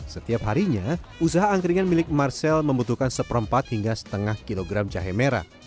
setiap harinya usaha angkringan milik marcel membutuhkan seperempat hingga setengah kilogram jahe merah